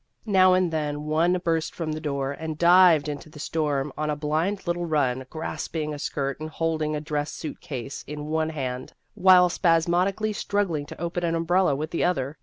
Now and then one burst from the door, and dived into the storm on a blind little run, grasping a skirt and holding a dress suit case in one hand, while spasmodically struggling to open an umbrella with the other.